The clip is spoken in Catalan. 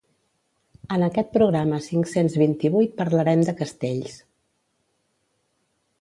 En aquest programa cinc-cents vint-i-vuit parlarem de castells.